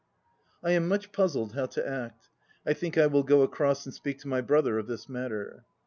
I am much puzzled how to act. I think I will go across and speak to my brother of this matter.